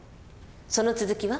その続きは？